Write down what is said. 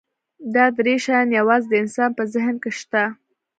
دا درې شیان یواځې د انسان په ذهن کې شته.